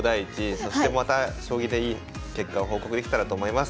そしてまた将棋でいい結果を報告できたらと思います。